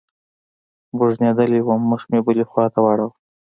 بوږنېدلى وم مخ مې بلې خوا ته واړاوه.